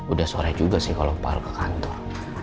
udah sore juga sih kalau pak al ke kantor